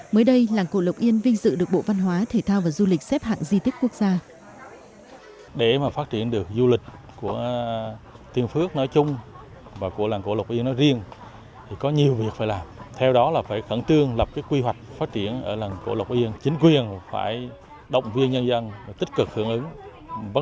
mới đây làng cổ lộc yên vinh dự được bộ văn hóa thể thao và du lịch xếp hạng di tích quốc gia